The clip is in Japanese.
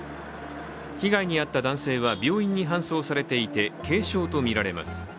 被害に遭った男性は病院に搬送されていて、軽傷とみられます。